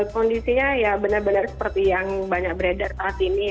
kondisinya ya benar benar seperti yang banyak beredar saat ini